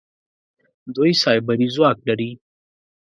دوی سايبري ځواک لري.